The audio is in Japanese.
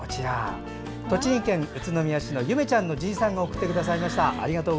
栃木県宇都宮市のゆめちゃんの爺さんが送ってくださいました。